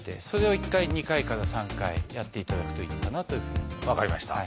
それを１回２回から３回やっていただくといいのかなというふうに思います。